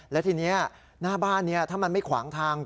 แล้วทีนี้หน้าบ้านนี้ถ้ามันไม่ขวางทาง